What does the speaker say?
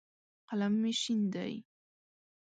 قلم مې شین دی.